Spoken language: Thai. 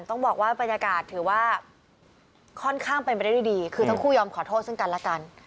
ต้องบอกว่าบรรยากาศถือว่าค่อนข้างเป็นไปได้ด้วยดีคือทั้งคู่ยอมขอโทษซึ่งกันและกัน